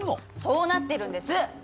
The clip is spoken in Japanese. そうなってるんです！